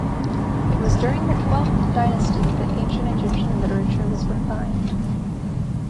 It was during the twelfth dynasty that Ancient Egyptian literature was refined.